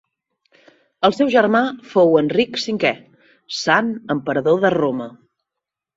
El seu germà fou Enric V, sant emperador de Roma.